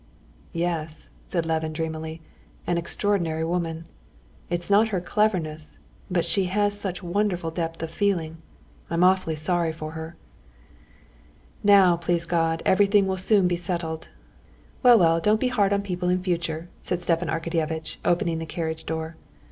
"Yes," said Levin dreamily, "an extraordinary woman! It's not her cleverness, but she has such wonderful depth of feeling. I'm awfully sorry for her!" "Now, please God, everything will soon be settled. Well, well, don't be hard on people in future," said Stepan Arkadyevitch, opening the carriage door.